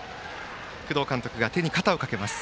工藤監督が肩に手をかけます。